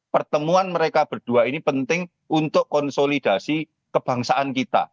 pertemuan mereka berdua ini penting untuk konsolidasi kebangsaan kita